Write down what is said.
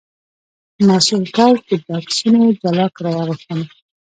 مسوول کس د بکسونو جلا کرایه غوښته.